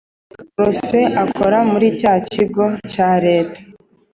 ko rose akora muri cya kigo cya leta